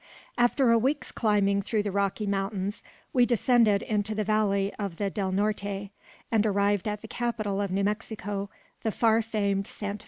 After a week's climbing through the Rocky Mountains, we descended into the Valley of the Del Norte, and arrived at the capital of New Mexico, the far famed Santa Fe.